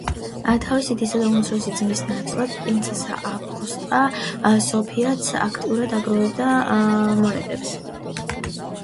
თავისი დისა და უმცროსი ძმის ნაცვლად, პრინცესა ავგუსტა სოფიაც აქტიურად აგროვებდა მონეტებს.